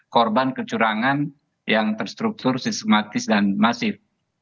korban kecurangan yang terstruktur sistematis dan masif